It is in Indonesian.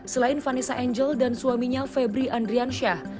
selain vanessa angel dan suaminya febri andrian syah